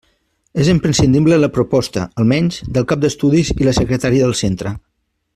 És imprescindible la proposta, almenys, del cap d'estudis i la secretaria del centre.